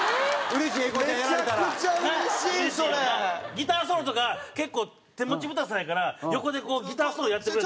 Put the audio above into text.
ギターソロとか結構手持ち無沙汰やから横でギターソロやってくれたら。